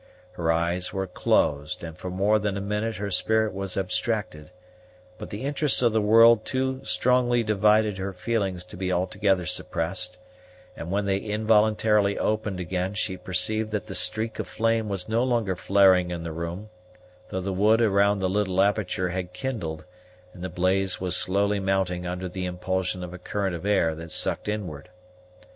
Her eyes were closed, and for more than a minute her spirit was abstracted; but the interests of the world too strongly divided her feelings to be altogether suppressed; and when they involuntarily opened again, she perceived that the streak of flame was no longer flaring in the room, though the wood around the little aperture had kindled, and the blaze was slowly mounting under the impulsion of a current of air that sucked inward.